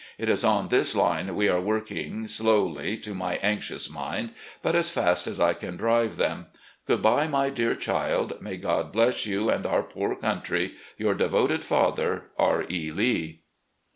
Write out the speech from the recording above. It is on this line we are working, slowly to my anxious mind, but as fast as I can drive them. ... Gkxxi bye, my dear child. May Ck»d bless you and our poor country. "Your devoted father, "R. E. Lee."